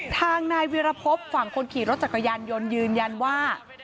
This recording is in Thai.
ทางนายวิรพบฝั่งคนขี่รถจักรยานยนต์ยืนยันว่า